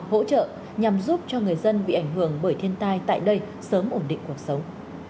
hỗ trợ nhằm giúp cho người dân bị ảnh hưởng bởi thiên tai tại đây sớm ổn định cuộc sống